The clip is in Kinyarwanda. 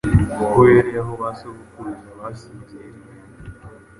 Ko uhereye aho ba sogokuruza basinziririye,